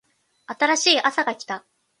新しいあさが来た